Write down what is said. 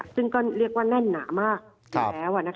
ซึ่งเรียกว่าแน่นหนามากแล้ว